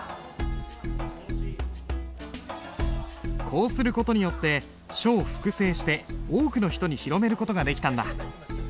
こうする事によって書を複製して多くの人に広める事ができたんだ。